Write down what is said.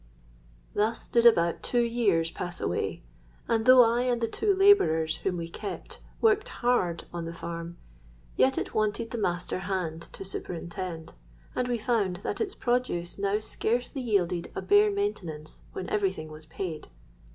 Thus did about two years pass away; and, though I and the two labourers whom we kept worked hard on the farm, yet it wanted the master hand to superintend; and we found that its produce now scarcely yielded a bare maintenance when every thing was paid.